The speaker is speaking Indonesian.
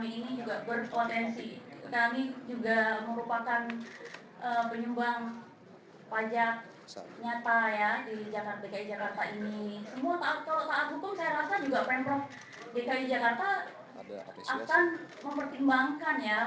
ini kita sedang cari bersama sama jalan terbaik untuk kita dan pemerintah tentunya